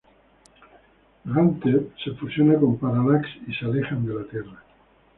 Ganthet se fusiona con Parallax y se alejan de la Tierra.